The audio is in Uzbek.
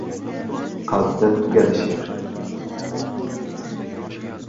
Qalbda tugadi she’r